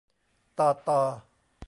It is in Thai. ตอ ฏอ